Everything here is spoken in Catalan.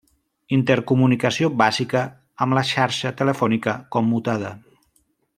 Intercomunicació bàsica amb la xarxa telefònica commutada.